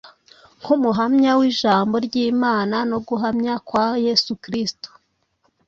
nk’umuhamya w’ijambo ry’Imana no guhamya kwa Yesu Kristo.